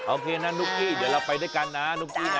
โอเคนะนุกี้เดี๋ยวเราไปด้วยกันนา